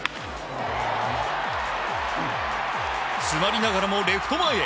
詰まりながらもレフト前へ。